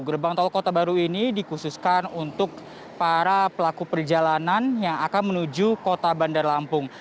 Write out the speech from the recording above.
gerbang tol kota baru ini dikhususkan untuk para pelaku perjalanan yang akan menuju kota bandar lampung